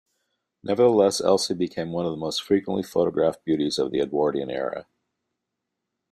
Nevertheless, Elsie became one of the most frequently photographed beauties of the Edwardian era.